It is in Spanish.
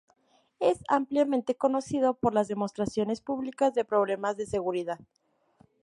Es ampliamente conocido por las demostraciones públicas de problemas de seguridad.